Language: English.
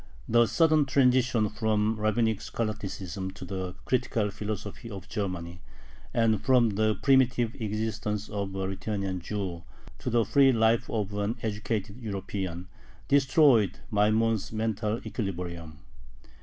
The sudden transition from rabbinic scholasticism to the "Critical Philosophy" of Germany, and from the primitive existence of a Lithuanian Jew to the free life of an educated European, destroyed Maimon's mental equilibrium.